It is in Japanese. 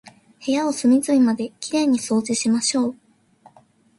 部屋を隅々まで綺麗に掃除しましょう。